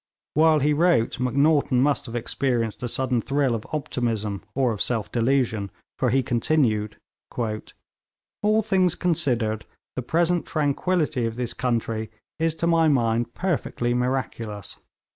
While he wrote, Macnaghten must have experienced a sudden thrill of optimism or of self delusion, for he continued: 'All things considered, the present tranquillity of this country is to my mind perfectly miraculous.